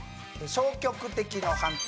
消極的の反対。